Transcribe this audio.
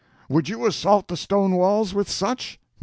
Would you assault stone walls with such?